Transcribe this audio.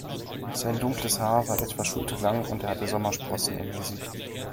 Sein dunkles Haar war etwa schulterlang und er hatte Sommersprossen im Gesicht.